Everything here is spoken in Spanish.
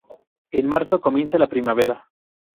En marzo, comienza la primavera.